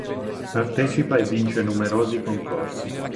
Partecipa e vince numerosi concorsi.